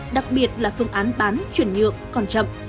đặc biệt là phương án bán chuyển nhượng còn chậm